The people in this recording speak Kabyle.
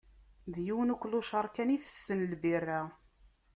D yiwen uklucaṛ kan itessen lbira.